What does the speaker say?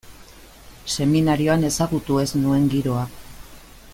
Seminarioan ezagutu ez nuen giroa.